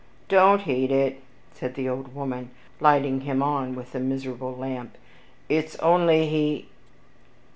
"Don't heed it," said the old woman, lighting him on with a miserable lamp; "it is only he.